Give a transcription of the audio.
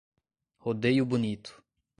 Rodeio Bonito